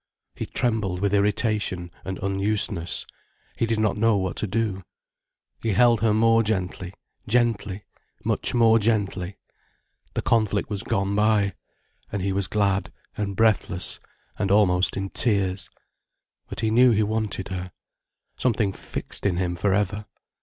He trembled with irritation and unusedness, he did not know what to do. He held her more gently, gently, much more gently. The conflict was gone by. And he was glad, and breathless, and almost in tears. But he knew he wanted her. Something fixed in him for ever.